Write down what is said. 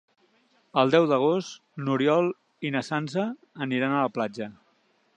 El deu d'agost n'Oriol i na Sança aniran a la platja.